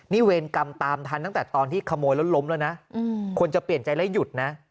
นี่เวรกรรมตามทันตั้งแต่ตอนที่ขโมยแล้วล้มแล้วนะคนจะเปลี่ยนใจแล้วหยุดนะ